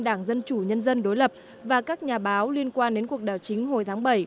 đảng dân chủ nhân dân đối lập và các nhà báo liên quan đến cuộc đảo chính hồi tháng bảy